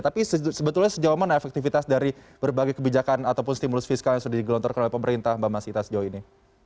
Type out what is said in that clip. tapi sebetulnya sejauh mana efektivitas dari berbagai kebijakan ataupun stimulus fiskal yang sudah digelontorkan oleh pemerintah mbak masita sejauh ini